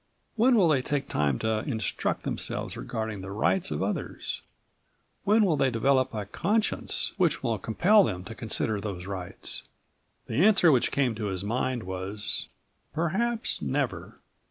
When will they take time to instruct themselves regarding the rights of others? When will they develop a conscience which will compel them to consider those rights?" The answer which came to his mind was, "Perhaps never.